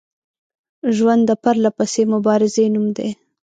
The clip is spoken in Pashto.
ژوند د پرلپسې مبارزې نوم دی